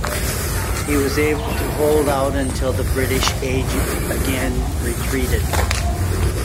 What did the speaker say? He was able to hold out until the British again retreated.